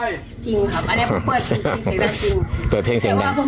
จริงครับอันนี้ผมเปิดเพลงเสียงดังจริง